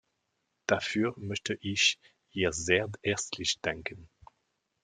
Dafür möchte ich ihr sehr herzlich danken!